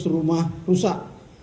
seratus rumah rusak